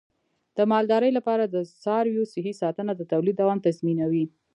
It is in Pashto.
د مالدارۍ لپاره د څارویو صحي ساتنه د تولید دوام تضمینوي.